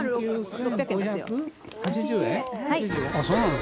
そうなの？